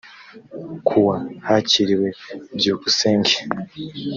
ku wa hakiriwe byukusenge